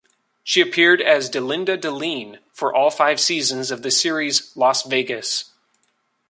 She appeared as Delinda Deline, for all five seasons of the series "Las Vegas".